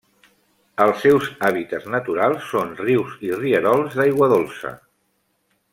Els seus hàbitats naturals són rius i rierols d'aigua dolça.